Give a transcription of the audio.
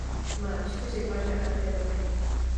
Má čtyři paže a dvě nohy.